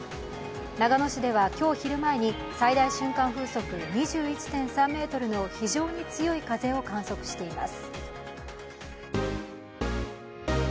長野市では今日昼前に最大瞬間風速２１．３メートルの非常に強い風を観測しています。